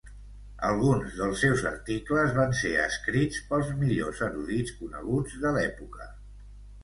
Alguns dels seus articles van ser escrits pels millors erudits coneguts de l'època.